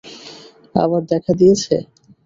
আবার দেখা দিয়েছে?